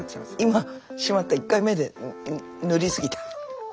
今しまった１回目で塗り過ぎた。